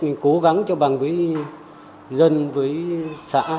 mình cố gắng cho bằng với dân với xã